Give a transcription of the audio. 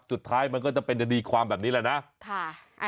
สุดท้ายมันก็จะเป็นคดีความแบบนี้แหละนะ